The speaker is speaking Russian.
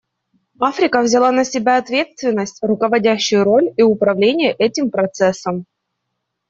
Африка взяла на себя ответственность, руководящую роль и управление этим процессом.